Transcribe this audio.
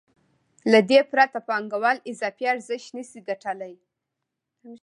له دې پرته پانګوال اضافي ارزښت نشي ګټلی